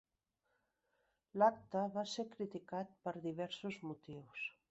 L'acte va ser criticat per diversos motius.